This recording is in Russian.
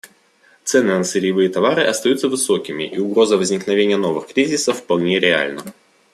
Цены на сырьевые товары остаются высокими, и угроза возникновения новых кризисов вполне реальна.